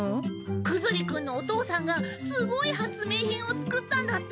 クズリ君のお父さんがすごい発明品を作ったんだって。